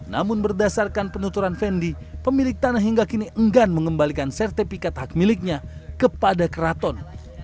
namun berdasarkan penuturan fendi pemilik tanah hingga kini enggan mengembalikan sertifikat hak miliknya kepada keraton